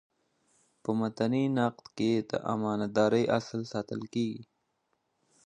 په متني نقد کي د امانت دارۍاصل ساتل کیږي.